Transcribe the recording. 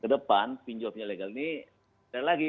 kedepan pinjol pinjol ilegal ini tidak ada lagi